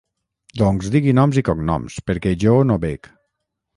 Doncs, digui noms i cognoms perquè jo no bec.